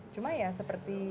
cuma ya seperti